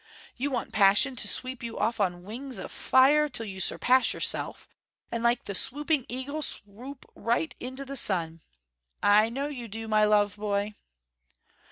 You want passion to sweep you off on wings of fire till you surpass yourself, and like the swooping eagle swoop right into the sun. I know you, my love boy."